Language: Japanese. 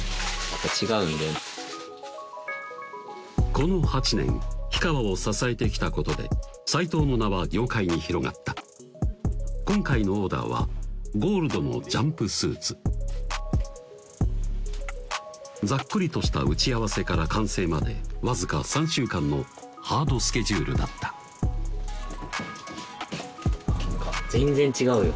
この８年氷川を支えてきたことで齋藤の名は業界に広がった今回のオーダーはゴールドのジャンプスーツざっくりとした打ち合わせから完成までわずか３週間のハードスケジュールだった何か全然違うよ